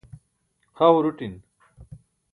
xa huruṭin